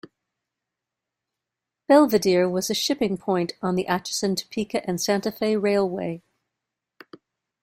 Belvidere was a shipping point on the Atchison, Topeka and Santa Fe Railway.